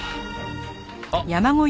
あっ！